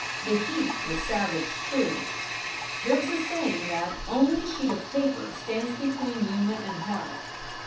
The heat was savage, too. There is a saying that "only a sheet of paper stands between Yuma and hell."